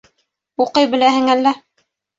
Уҡый беләһең әллә?